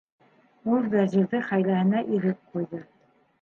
Ул Вәзирҙең хәйләһенә ирек ҡуйҙы.